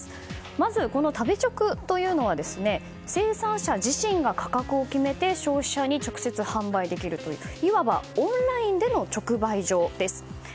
まず食べチョクというのは生産者自身が価格を決めて消費者に直接販売できるといういわばオンラインでの直売所です。